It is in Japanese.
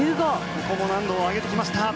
ここも難度を上げてきました。